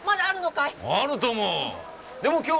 あるとも！